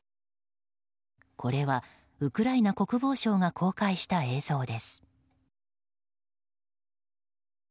これはウクライナ国防省が公開した映像です。